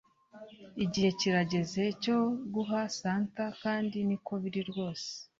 Igihe kirageze cyo guha Santa kandi niko biri rwose